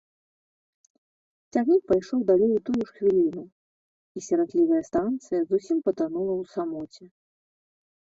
Цягнік пайшоў далей у тую ж хвіліну, і сіратлівая станцыя зусім патанула ў самоце.